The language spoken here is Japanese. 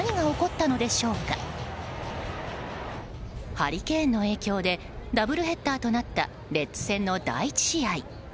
ハリケーンの影響でダブルヘッダーとなったレッズ戦の第１試合。